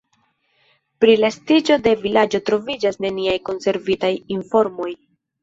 Pri la estiĝo de vilaĝo troviĝas neniaj konservitaj informoj.